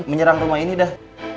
menyerang rumah ini dah